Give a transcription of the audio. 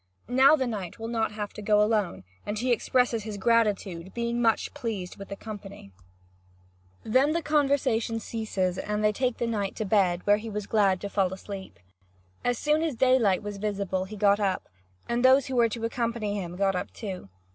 Now the knight will not have to go alone, and he expresses his gratitude, being much pleased with the company. (Vv. 2199 2266.) Then the conversation ceases, and they take the knight to bed, where he was glad to fall asleep. As soon as daylight was visible he got up, and those who were to accompany him got up too.